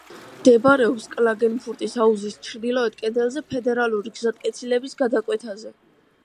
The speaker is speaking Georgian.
მდებარეობს კლაგენფურტის აუზის ჩრდილოეთ კიდეზე, ფედერალური გზატკეცილების გადაკვეთაზე.